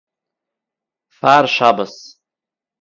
פאַר שבת